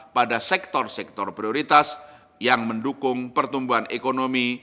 pada sektor sektor prioritas yang mendukung pertumbuhan ekonomi